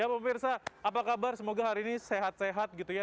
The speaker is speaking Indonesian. ya pemirsa apa kabar semoga hari ini sehat sehat gitu ya